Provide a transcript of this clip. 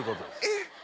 えっ？